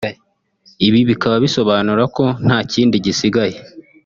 Ibi bikaba bisobanura ko nta kindi gisigaye